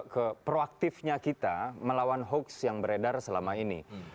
ke proaktifnya kita melawan hoaks yang beredar selama ini